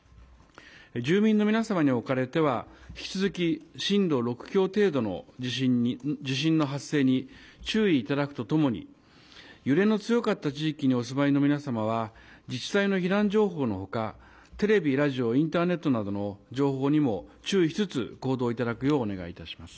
住民の皆様におかれては、引き続き震度６強程度の地震の発生に注意いただくとともに、揺れの強かった地域にお住まいの皆様は、自治体の避難情報のほか、テレビ、ラジオ、インターネットなどの情報にも注意しつつ、行動いただくようお願いいたします。